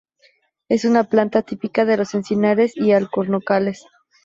Es una planta típica de los encinares y alcornocales.